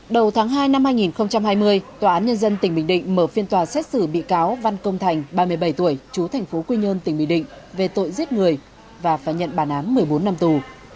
đầu tháng hai năm hai nghìn hai mươi tòa án nhân dân tỉnh bình định mở phiên tòa xét xử bị cáo văn công thành ba mươi bảy tuổi chú thành phố quy nhơn tỉnh bình định về tội giết người và phải nhận bản án một mươi bốn năm tù